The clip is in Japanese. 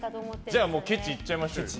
じゃあ、もうケチいっちゃいましょうよ。